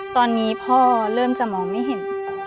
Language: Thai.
ก่อนเริ่มจะมองไม่เห็น